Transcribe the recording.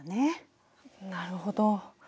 なるほど。